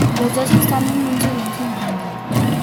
Los dos están en un silencio incómodo.